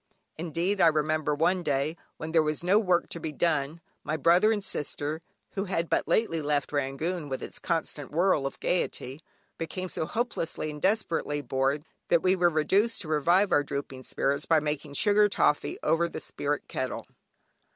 Indeed, I remember one day, when there was no work to be done, my brother and sister, (who had but lately left Rangoon with its constant whirl of gaiety) became so hopelessly and desperately bored, that we were reduced to revive our drooping spirits by making sugar toffee over the spirit kettle.